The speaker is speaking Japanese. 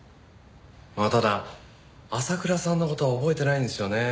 ただ浅倉さんの事は覚えてないんですよね。